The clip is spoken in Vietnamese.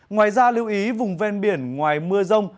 ngoài ra lưu ý vùng ven biển ngoài mưa rông